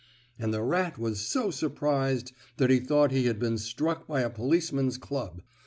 And the rat was so surprised that he thought he had been struck by a policeman's club.